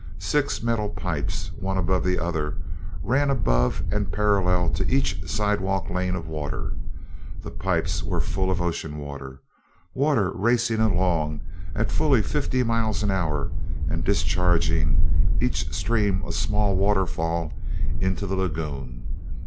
Six metal pipes, one above the other, ran above and parallel to each sidewalk lane of water. The pipes were full of ocean water, water racing along at fully fifty miles an hour and discharging, each stream a small waterfall, into the lagoon.